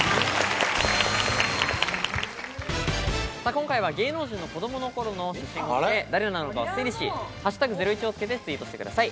今回は芸能人の子どもの頃の写真を見て誰なのかを推理し、「＃ゼロイチ」をつけてツイートしてください。